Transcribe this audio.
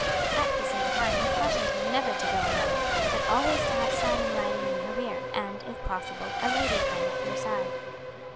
At the same time he cautioned her never to go alone; but always to have Simon riding in her rear, and, if possible, a lady friend at her side.